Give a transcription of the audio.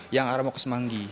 yang arah mokosemanggi